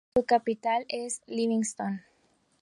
Su capital es Livingstone.